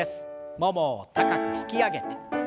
ももを高く引き上げて。